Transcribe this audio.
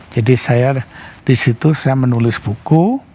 jadi saya disitu saya menulis buku